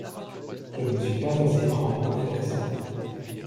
Je ne suis pas assez grand pour faire ça.